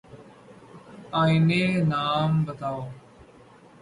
أپنے نام بتاؤ۔